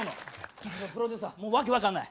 ちょっとプロデューサーもう訳分かんない。